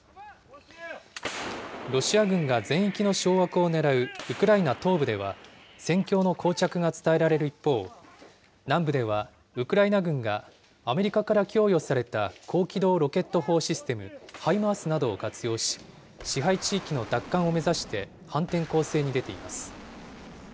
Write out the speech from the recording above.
ロシア軍が全域の掌握を狙うウクライナ東部では、戦況のこう着が伝えられる一方、南部ではウクライナ軍がアメリカから供与された高機動ロケット砲システム・ハイマースなどを活用し、支配地域の奪還を目指して反転攻勢に出ています。